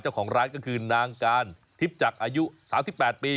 เจ้าของร้านก็คือนางการทิพย์จักรอายุ๓๘ปี